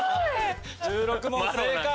１６問正解。